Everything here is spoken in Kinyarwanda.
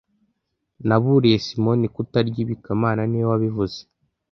Naburiye Simoni kutarya ibi kamana niwe wabivuze